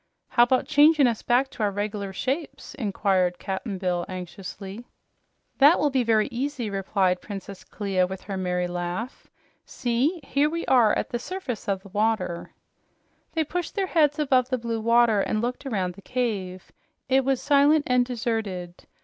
"How about changin' us back to our reg'lar shapes?" inquired Cap'n Bill anxiously. "That will be very easy," replied Princess Clia with her merry laugh. "See! Here we are at the surface of the water." They pushed their heads above the blue water and looked around the cave. It was silent and deserted.